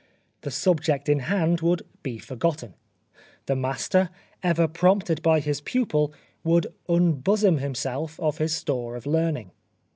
The subject in hand would be forgotten ; the master, ever prompted by his pupil, would unbosom himself of his store of learning.